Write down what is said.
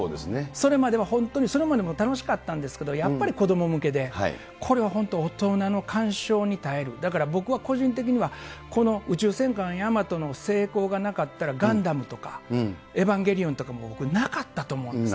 それまでは本当に、それまでも楽しかったんですけど、やっぱり子ども向けで、これは本当、大人の鑑賞に堪える、だから僕は個人的には、この宇宙戦艦ヤマトの成功がなかったら、ガンダムとかエヴァンゲリオンとかもなかったと思うんです。